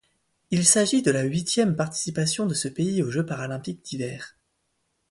Il s'agit de la huitième participation de ce pays aux Jeux paralympiques d'hiver.